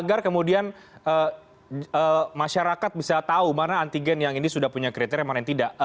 agar kemudian masyarakat bisa tahu mana antigen yang ini sudah punya kriteria mana yang tidak